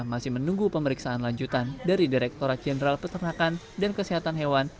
masih menunggu pemeriksaan lanjutan dari direkturat jenderal peternakan dan kesehatan hewan